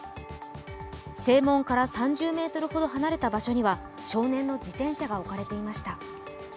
正門から３０ｍほど離れた場所には少年の自転車が置かれていました。